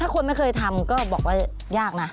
คนไม่เคยทำก็บอกว่ายากนะ